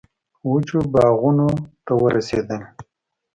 وچو باغونو ته ورسېدل.